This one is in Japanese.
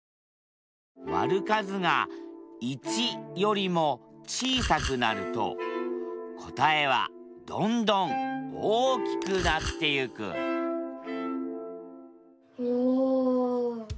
割る数が１よりも小さくなると答えはどんどん大きくなってゆくおお！